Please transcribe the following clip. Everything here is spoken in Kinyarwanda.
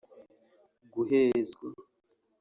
guhezwa